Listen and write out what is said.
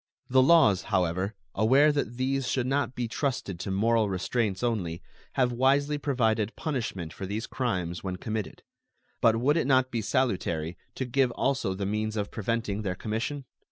The laws, however, aware that these should not be trusted to moral restraints only, have wisely provided punishment for these crimes when committed. But would it not be salutary to give also the means of preventing their commission?